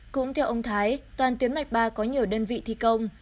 cũng theo ông thái toàn tuyến mạch ba có nhiều đơn vị thi công